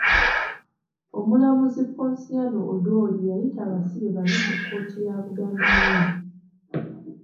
Omulamuzi Ponsiano Odwori yayita abasibe bano mu kkooti ya Buganda road.